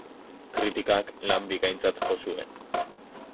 Kritikak lan bikaintzat jo zuen.